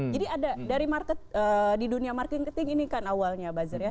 jadi ada dari market di dunia marketing ini kan awalnya buzzer ya